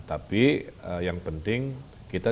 tapi yang penting kita